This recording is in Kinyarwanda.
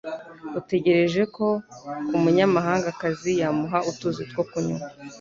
ategereje ko umunyamahangakazi yamuha utuzi two kunywa.